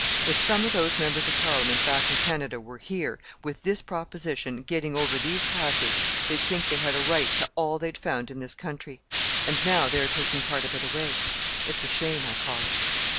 If some of those Members of Parliament back in Canada were here, with this proposition, getting over these Passes, they'd think they had a right to all they'd found in this country. And now they are taking part of it away it's a shame, I call it."